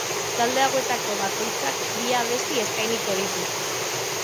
Talde hauetako bakoitzak bi abesti eskainiko ditu.